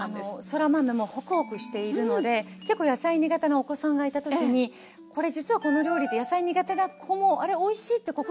そら豆もほくほくしているので結構野菜苦手なお子さんがいた時にこれ実はこの料理って野菜苦手な子も「あれおいしい」って克服できるかも。